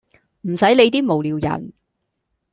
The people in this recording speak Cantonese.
唔洗理啲無聊人